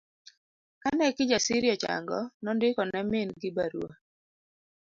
Kane Kijasiri ochang'o, nondiko ne min gi barua